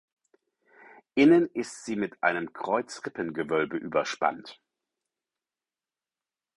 Innen ist sie mit einem Kreuzrippengewölbe überspannt.